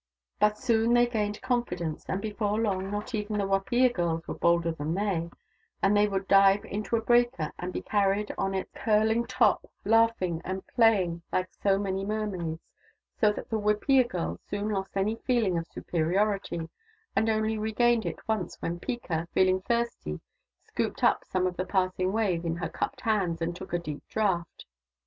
But soon they gained confidence, and before long not even the Wapiya were bolder than they, and they would dive into a breaker and be carried in on its i8o THE DAUGHTERS OF WONKAWALA curling top, laughing and playing like so many mermaids : so that the Wapiya girls soon lost any feeling of superiority, and only regained it once, when Peeka, feeling thirsty, scooped up some of a passing wave in her cupped hands and took a deep draught.